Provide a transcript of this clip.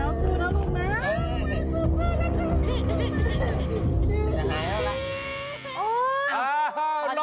มันยังหายแล้ว